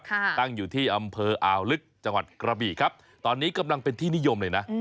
ตั้งอยู่ที่อำเภออ่าวลึกจังหวัดกระบี่ครับตอนนี้กำลังเป็นที่นิยมเลยนะ